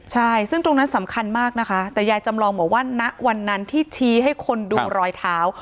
ใช่ซึ่งตรงนั้นสำคัญมากนะคะแต่ยายจำลองบอกว่าณวันนั้นที่ชี้ให้คนดูรอยเท้า